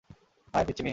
মায়ের পিচ্চি মেয়ে।